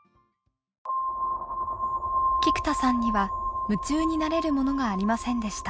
菊田さんには夢中になれるものがありませんでした。